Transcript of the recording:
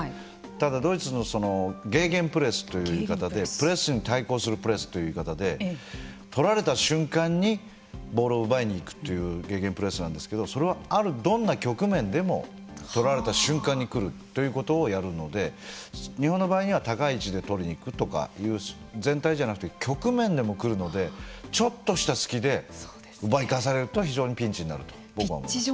ただドイツのゲーゲンプレスというプレスに対抗するプレスという言い方で取られた瞬間にボールを奪いに行くというゲーゲンプレスなんですけどそれはあるどんな局面でも取られた瞬間に来るということをやるので日本の場合には高い位置で取りにいくとかいう全体じゃなくて局面でも来るのでちょっとした隙で奪い返されると非常にピンチになると僕は思います。